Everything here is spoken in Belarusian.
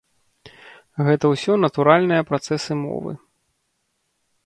Гэта ўсё натуральныя працэсы мовы.